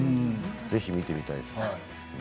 ぜひ見てみたいです。